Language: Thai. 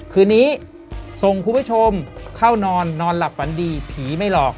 คืนนี้ส่งคุณผู้ชมเข้านอนนอนหลับฝันดีผีไม่หลอก